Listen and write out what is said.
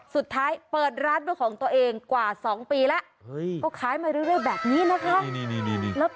สุดท้ายเปิดร้านด้วยของตัวเองกว่า๒ปีแล้วก็ขายมาเรื่อยแบบนี้นะคะ